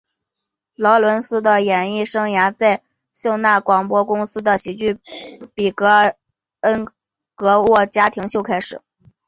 劳伦斯的演艺生涯在透纳广播公司的喜剧比尔恩格沃家庭秀开始。